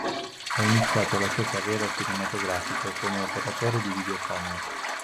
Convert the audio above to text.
Ha iniziato la sua carriera cinematografica come operatore di videocamera.